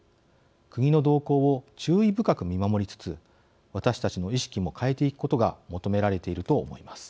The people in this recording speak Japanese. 国の動向を注意深く見守りつつ私たちの意識も変えていくことが求められていると思います。